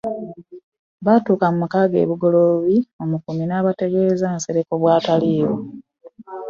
Baatuuka mu maka ge e Bugoloobi omukuumi n'abategeeza Nsereko bw'ataliiwo.